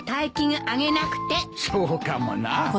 そうかもな。